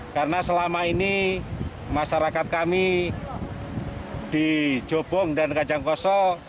karena selama ini masyarakat kami di jobong dan kacangkoso